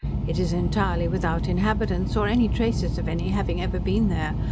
It is entirely without inhabitants, or any traces of any having ever been there.